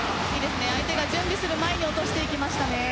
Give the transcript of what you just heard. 相手が準備する前に落としていきましたね。